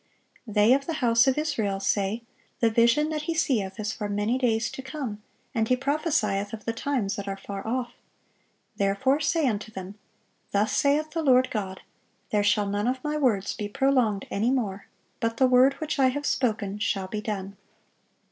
"They of the house of Israel say, The vision that he seeth is for many days to come, and he prophesieth of the times that are far off. Therefore say unto them, Thus saith the Lord God: There shall none of My words be prolonged any more, but the word which I have spoken shall be done."